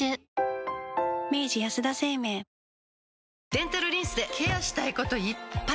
デンタルリンスでケアしたいこといっぱい！